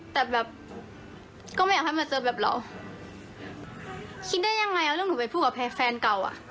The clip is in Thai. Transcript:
แต่แบบก็ไม่อยากให้มาเจอแบบเราคิดได้ยังไงเอาเรื่องหนูไปพูดกับแฟนเก่าอ่ะ